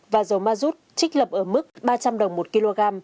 và dầu mazut trích lập ở mức ba trăm linh đồng một kg